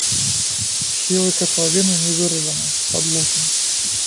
Схілы катлавіны не выражаны, пад лугам.